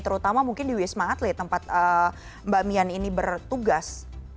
terutama mungkin di wisma atlet tempat mbak mian ini bertugas